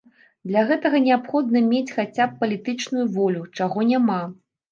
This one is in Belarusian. Для гэтага неабходна мець хаця б палітычную волю, чаго няма.